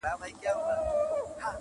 پوهنتون ته سوه کامیاب مکتب یې خلاص کئ،